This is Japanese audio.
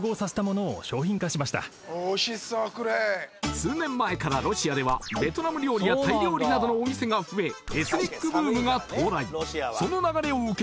数年前からロシアではベトナム料理やタイ料理などのお店が増えその流れを受け